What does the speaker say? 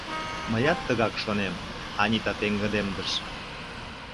— Мыят тыгак шонем, — Анита пеҥгыдемдыш.